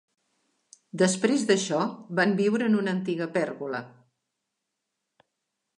Després d'això, van viure en una antiga pèrgola.